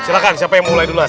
silahkan siapa yang mulai duluan